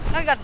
nó gần chết